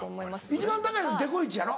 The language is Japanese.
一番高いのデゴイチやろ？